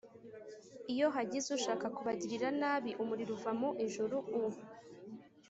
iyo hagize ushaka kubagirira nabi umuriro uva mu ijuru u